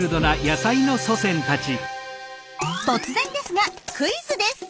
突然ですがクイズです！